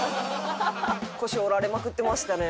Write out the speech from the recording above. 腰を折られまくってましたね